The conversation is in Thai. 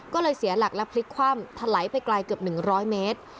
ก็เลยเสียหลักและพลิกคว่ำถลายไปไกลเกือบ๑๐๐เมตร